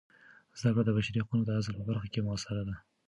زده کړه د بشري حقونو د اصل په برخه کې مؤثره ده.